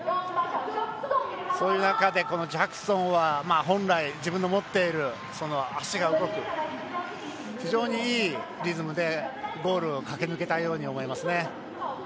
そういう中で、このジャクソンは本来、自分の持っている足が動く、非常にいいリズムでゴールを駆け抜けたように思います。